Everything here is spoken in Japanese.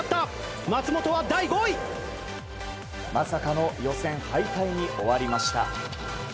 まさかの予選敗退に終わりました。